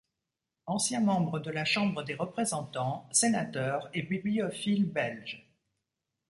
Ancien membre de la Chambre des Représentants, sénateur et bibliophile belge.